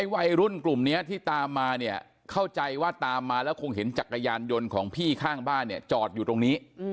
วัยรุ่นกลุ่มนี้ที่ตามมาเนี่ยเข้าใจว่าตามมาแล้วคงเห็นจักรยานยนต์ของพี่ข้างบ้านเนี่ยจอดอยู่ตรงนี้